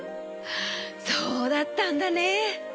そうだったんだね。